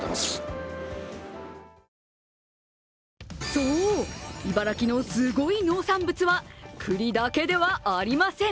そう、茨城のすごい農産物は栗だけではありません。